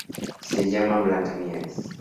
La llaman "Blancanieves".